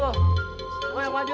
gue yang maju